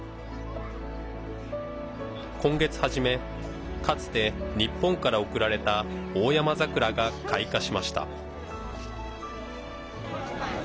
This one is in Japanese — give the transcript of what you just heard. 今月初めかつて日本から贈られたオオヤマザクラが開花しました。